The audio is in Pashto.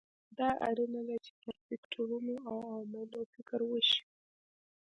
دا اړینه ده چې پر فکټورونو او عواملو فکر وشي.